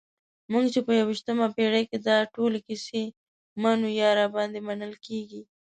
موږ چې په یویشتمه پېړۍ کې دا ټولې کیسې منو یا راباندې منل کېږي.